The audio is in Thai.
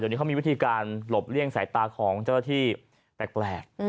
ตอนนี้เขามีวิธีการหลบเลี่ยงสายตาของเจ้าที่แปลก